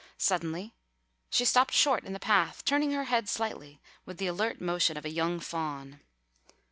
Suddenly she stopped short in the path, turning her head slightly with the alert motion of a young fawn.